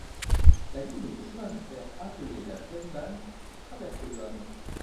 La ligne de chemin de fer appelée la Vennbahn traversait le hameau.